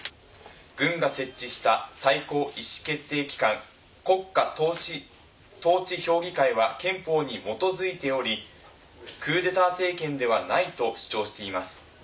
軍が設置した最高意思決定機関国家とうし統治評議会は憲法に基づいておりクーデター政権ではないと主張しています。